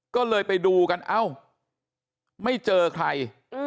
ก็เลยไปดูกันเอ้าไม่เจอใคร